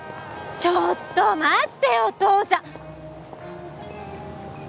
ちょっと待ってお父さ。